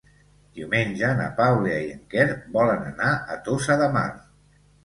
Diumenge na Paula i en Quer volen anar a Tossa de Mar.